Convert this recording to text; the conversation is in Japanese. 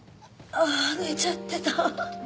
ああ寝ちゃってた。